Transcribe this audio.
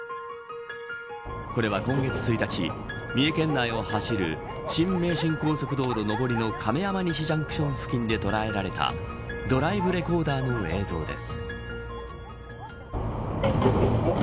これは、今月１日三重県内を走る新名神高速道路上りの亀山西ジャンクション付近で捉えられたドライブレコーダーの映像です。